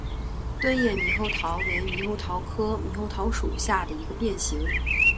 钝叶猕猴桃为猕猴桃科猕猴桃属下的一个变型。